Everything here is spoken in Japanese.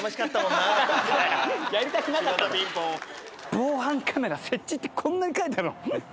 「防犯カメラ設置」ってこんな書いてあるの。